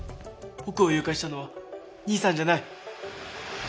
僕を誘拐したのは兄さんじゃない！